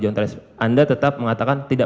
john torres anda tetap mengatakan tidak